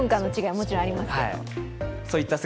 もちろんありますけど。